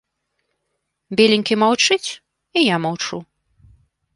Беленькі маўчыць, і я маўчу.